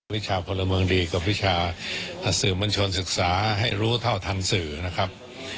วิชาพลเมืองดีกับวิชาสื่อมวลชนศึกษาให้รู้เท่าทันสื่อนะครับ